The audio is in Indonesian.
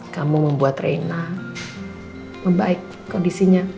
kamu membuat reina membaik kondisinya